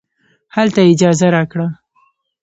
هلته یې اجازه راکړه.